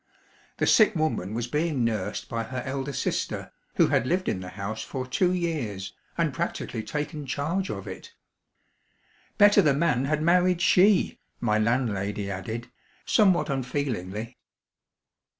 The sick woman was being nursed by her elder sister, who had lived in the house for two years, and practically taken charge of it. "Better the man had married she" my landlady added, somewhat unfeelingly.